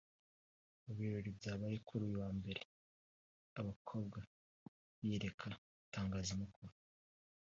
Mu birori byabaye kuri uyu wa Mbere abakobwa biyereka itangazamakuru